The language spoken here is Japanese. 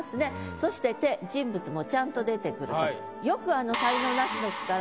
そして手人物もちゃんと出てくると。